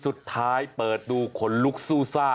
สุดท้ายเปิดดูคนลุกซู่ซ่า